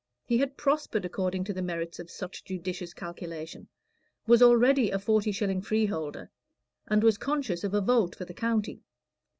He had prospered according to the merits of such judicious calculation, was already a forty shilling freeholder, and was conscious of a vote for the county.